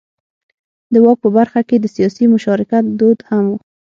د واک په برخه کې د سیاسي مشارکت دود هم و.